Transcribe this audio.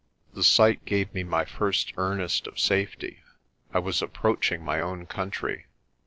The sight gave me my first earnest of safety. I was approaching my own country.